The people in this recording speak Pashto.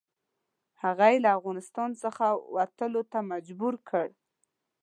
هغه یې له افغانستان څخه وتلو ته مجبور کړ.